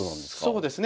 そうですね。